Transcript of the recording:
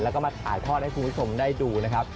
แล้วก็มาถ่ายทอดให้คุณผู้ชมได้ดูนะครับ